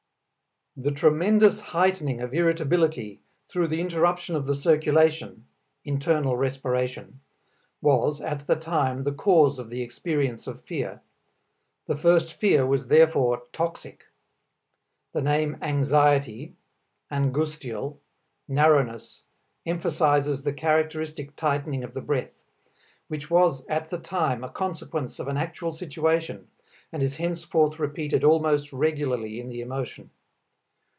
The tremendous heightening of irritability through the interruption of the circulation (internal respiration) was at the time the cause of the experience of fear; the first fear was therefore toxic. The name anxiety angustial narrowness, emphasizes the characteristic tightening of the breath, which was at the time a consequence of an actual situation and is henceforth repeated almost regularly in the emotion.